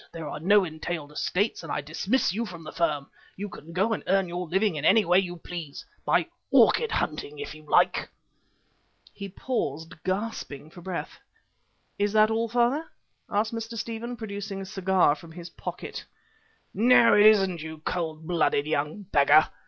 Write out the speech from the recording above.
there are no entailed estates, and I dismiss you from the firm. You can go and earn your living in any way you please, by orchid hunting if you like." He paused, gasping for breath. "Is that all, father?" asked Mr. Stephen, producing a cigar from his pocket. "No, it isn't, you cold blooded young beggar.